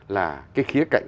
là cái khía cạnh